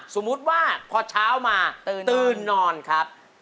สมมุติว่าพอเช้ามาตื่นนอนครับ